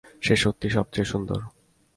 সে সত্যিই সবচেয়ে সুন্দর।